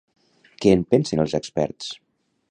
Què en pensen els experts?